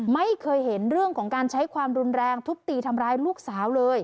ไม่เคยเห็นเรื่องของการใช้ความรุนแรงทุบตีทำร้ายลูกสาวเลย